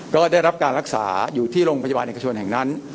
ก็ได้รับการรักษาอยู่ที่โรงพยาบาลเอกชนแห่งนั้น